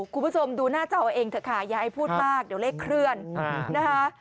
คุณผู้ชมดูหน้าจอเอาเองเถอะค่ะอย่าให้พูดมากเดี๋ยวเลขเคลื่อนนะคะ